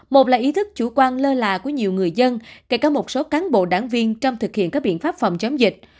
một là ý thức chủ quan lơ là của nhiều người dân kể cả một số cán bộ đảng viên trong thực hiện các biện pháp phòng chống dịch